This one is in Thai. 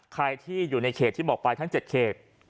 ใครที่อยู่ในเขตที่บอกไปทั้ง๗เขต